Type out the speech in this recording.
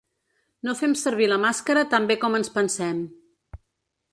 No fem servir la màscara tan bé com ens pensem